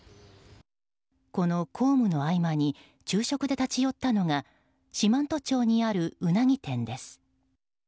この公務の合間に昼食で立ち寄ったのが四万十町にあるウナギ店です。